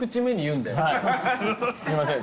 はいすいません。